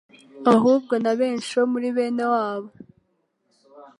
ahubwo na benshi bo muri bene wabo,